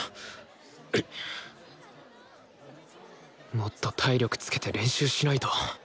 もっと体力つけて練習しないと！